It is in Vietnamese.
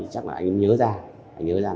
chắc là anh ấy nhớ ra